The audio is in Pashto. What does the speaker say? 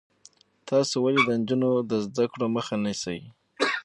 تاسو ولې د نجونو د زده کړو مخه نیسئ؟